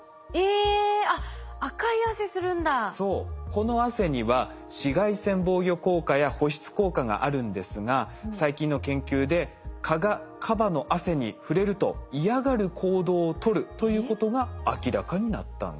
この汗には紫外線防御効果や保湿効果があるんですが最近の研究で蚊がカバの汗に触れると嫌がる行動をとるということが明らかになったんです。